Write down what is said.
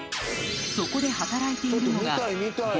そこで働いているのがいやあ！